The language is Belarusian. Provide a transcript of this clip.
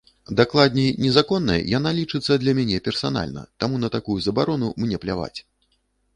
Дакладней, незаконнай яна лічыцца для мяне персанальна, таму на такую забарону мне пляваць.